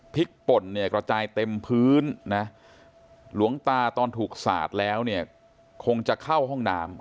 พิกป่นกระจายเต็มพื้นหลวงตาตอนถูกสาดแล้วคงจะเข้าห้องน้ำ